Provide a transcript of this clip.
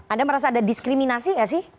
anda merasa ada diskriminasi nggak sih